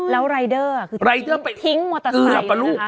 แล้วรายเดอร์ไปทิ้งมอเตอร์ไซด์อือปะลูก